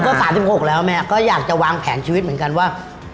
ก็๓๖แล้วแม่ก็อยากจะวางแผนชีวิตเหมือนกันว่า